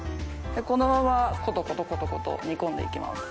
このままコトコトコトコト煮込んで行きます。